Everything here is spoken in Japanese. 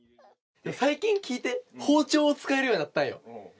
最近、聞いて、包丁を使えるようになったんよ。